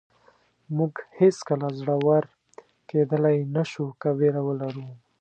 موږ هېڅکله زړور کېدلی نه شو که وېره ولرو.